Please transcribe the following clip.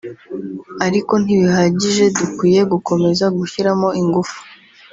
ariko ntibihagije dukwiye gukomeza gushyiramo ingufu